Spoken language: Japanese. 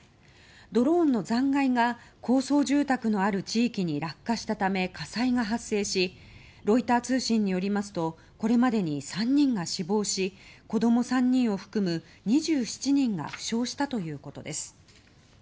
ドローンの残骸が高層住宅のある地域に落下したため火災が発生しロイター通信によりますとこれまでに３人が死亡し子供３人を含む２７人が負傷したということです。